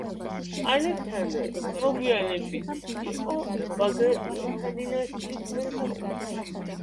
ალექსანდრე მოგვიანებით იყო ბაგრატიონთა დინასტიის მეთაური.